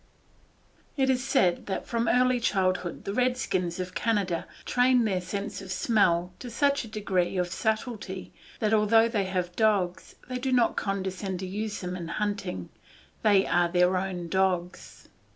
It is said that from early childhood the Redskins of Canada, train their sense of smell to such a degree of subtlety that, although they have dogs, they do not condescend to use them in hunting they are their own dogs.